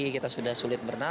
kita sudah sulit berdampak